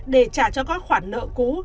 để trả cho các khoản nợ cũ